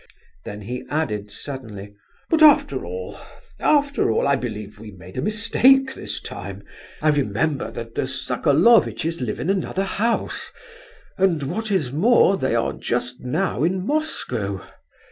Then he added suddenly—"But after all... after all I believe we made a mistake this time! I remember that the Sokolovitch's live in another house, and what is more, they are just now in Moscow.